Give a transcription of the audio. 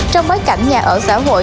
trong bối cảnh nhà ở xã hội